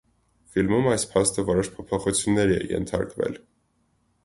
Ֆիլմում այս փաստը որոշ փոփոխությունների է ենթարկվել։